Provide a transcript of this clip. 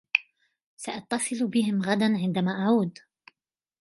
سأتصل بهم غداً عندما أعود.